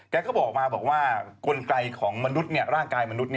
เขาบอกมาบอกว่ากลไกของมนุษย์ร่างกายมนุษย์